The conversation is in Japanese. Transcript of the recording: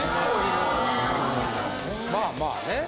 まあまあね。